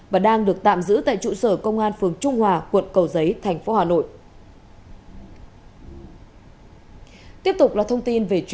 và đang được tạm giữ tại trụ sở công an phường trung hòa quận cầu giấy thành phố hà nội